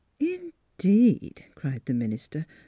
" Indeed! " cried the minister.